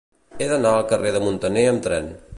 He d'anar al carrer de Muntaner amb tren.